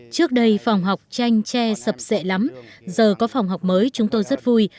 trước đây phòng học chanh tre sập sệ lắm giờ có phòng học mới chúng tôi rất vui